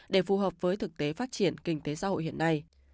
để phù hợp với thực tế phát triển kinh tế xã hội hiện nay